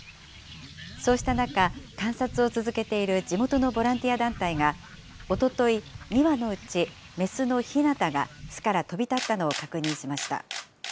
そうした中、観察を続けている地元のボランティア団体が、おととい、２羽のうち雌のひなたが巣から飛び立ったのを確認しました。